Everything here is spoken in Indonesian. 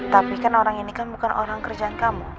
tapi kan orang ini kan bukan orang kerjaan kamu